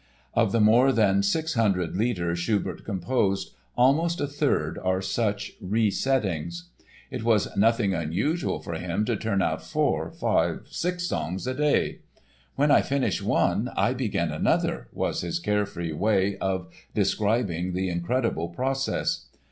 Of the more than six hundred Lieder Schubert composed almost a third are such resettings. It was nothing unusual for him to turn out four, five, six songs a day. "When I finish one I begin another," was his carefree way of describing the incredible process.